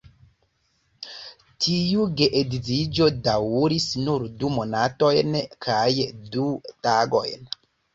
Tiu geedziĝo daŭris nur du monatojn kaj du tagojn.